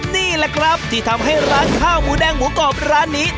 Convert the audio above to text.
นี่แหละครับที่ทำให้ร้านข้าวหมูแดงหมูกรอบร้านนี้